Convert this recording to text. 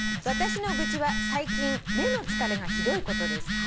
「私の愚痴は最近目の疲れがひどいことです」